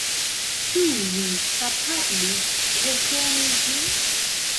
Ĉu Vi kapablus rekoni ĝin?